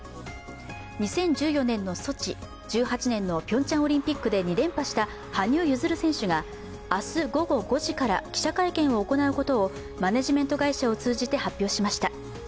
２０１４年のソチ、１８年のピョンヤンオリンピックで２連覇した羽生結弦選手が明日午後５時から記者会見を行うことをマネジメント会社を通じて発表しました。